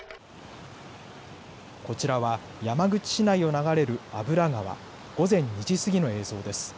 こちらは、山口市内を流れる油川、午前２時過ぎの映像です。